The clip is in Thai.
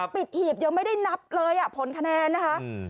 หีบยังไม่ได้นับเลยผลคะแนนนะคะ